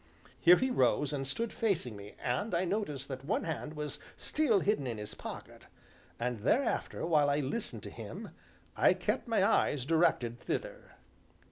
Here he rose, and stood facing me, and I noticed that one hand was still hidden in his pocket, and, thereafter, while I listened to him, I kept my eyes directed thither.